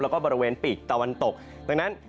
แล้วก็บริเวณปีกตะวันตกดังนั้น